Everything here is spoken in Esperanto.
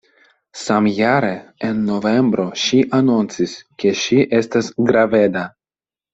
Samjare, en novembro ŝi anoncis, ke ŝi estas graveda.